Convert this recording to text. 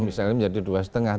misalnya menjadi dua lima